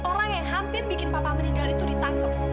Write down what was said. orang yang hampir bikin papa menindal itu ditantang